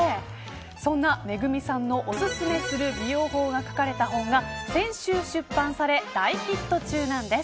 そんな、ＭＥＧＵＭＩさんのおすすめする美容法が書かれた本が先週、出版され大ヒット中なんです。